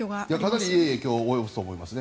かなりいい影響を及ぼすと思いますね。